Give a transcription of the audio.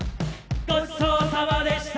ごちそうさまでした。